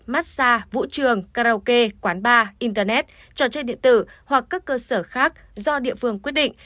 massage vũ trường karaoke quán bar internet trò chơi điện tử hoặc các cơ sở khác do địa phương quyết định